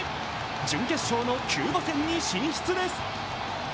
準決勝のキューバ戦に進出です。